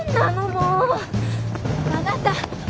あなた！